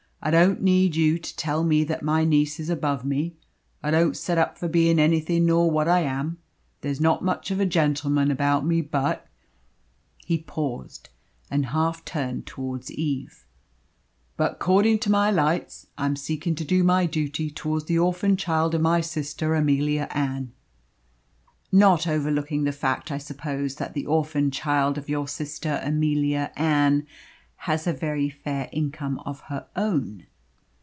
"I don't need you to tell me that my niece is above me. I don't set up for bein' anything nor what I am. There's not much of the gentleman about me. But " He paused, and half turned towards Eve. "But, 'cording to my lights, I'm seeking to do my duty towards the orphan child of my sister Amelia Ann." "Not overlooking the fact, I suppose, that the orphan child of your sister Amelia Ann has a very fair income of her own."